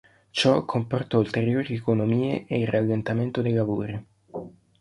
Ciò comportò ulteriori economie e il rallentamento dei lavori.